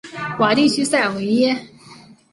瓦地区塞尔维耶。